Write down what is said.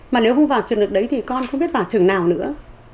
mà nếu không vào trường đợt đấy thì con không biết vào trường nào nữa